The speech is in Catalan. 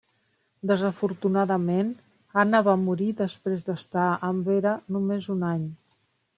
Desafortunadament Anna va morir després d'estar amb Vera només un any.